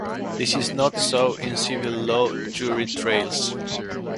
This is not so in civil law jury trials.